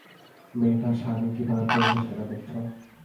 মেয়েটা শাড়ি কিভাবে পরেছে সেটা দেখেছ?